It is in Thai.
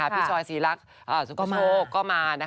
พี่ชอยศรีรักษ์สุขโชคก็มา